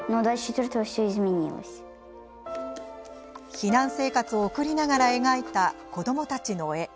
避難生活を送りながら描いた子どもたちの絵。